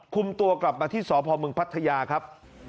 คุมตัวกลับมาที่สพมพัทยาครับ